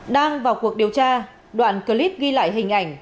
đang vào cuộc điều tra đoạn clip ghi lại hình ảnh